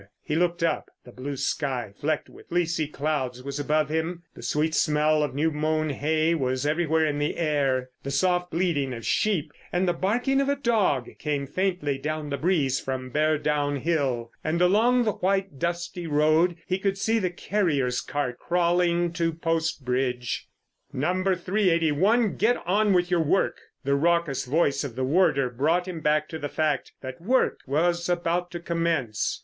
He looked up: the blue sky flecked with fleecy clouds was above him, the sweet smell of new mown hay was everywhere in the air; the soft bleating of sheep and the barking of a dog came faintly down the breeze from Beardown Hill, and along the white dusty road he could see the carrier's cart crawling to Post Bridge. "No. 381, get on with your work!" The raucous voice of the warder brought him back to the fact that work was about to commence.